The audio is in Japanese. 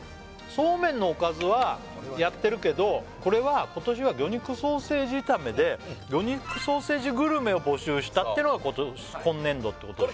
「そうめんのおかず」はやってるけどこれは今年は魚肉ソーセージ炒めで魚肉ソーセージグルメを募集したってのが今年度ってことでしょ